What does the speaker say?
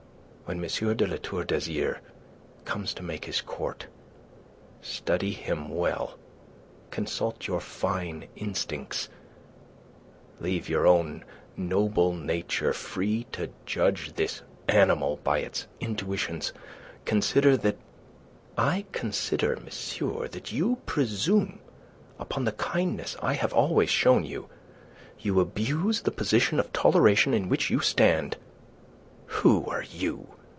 When M. de La Tour d'Azyr comes to make his court, study him well; consult your fine instincts; leave your own noble nature free to judge this animal by its intuitions. Consider that..." "I consider, monsieur, that you presume upon the kindness I have always shown you. You abuse the position of toleration in which you stand. Who are you?